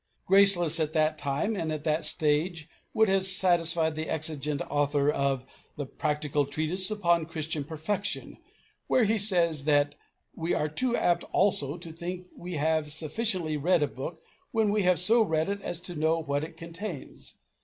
Graceless at that time and at that stage would have satisfied the exigent author of the Practical Treatise upon Christian Perfection where he says that "we are too apt also to think that we have sufficiently read a book when we have so read it as to know what it contains.